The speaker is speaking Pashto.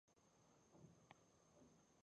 ازادي راډیو د کلتور د منفي اړخونو یادونه کړې.